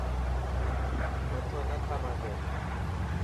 مٿو نا کا مانجو.